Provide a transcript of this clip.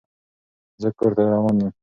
زه کور ته روان يم.